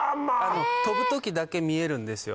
飛ぶ時だけ見えるんですよ。